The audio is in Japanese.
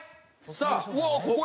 さあここ！